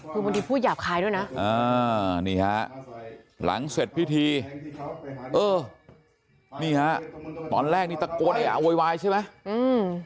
คือบางทีพูดหยาบคลายด้วยนะหลังเสร็จพิธีตอนแรกนี่ตะโก๊ตอย่าโวยวายใช่ไหม